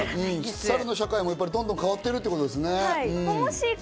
猿の社会もどんどん変わってるってことですね。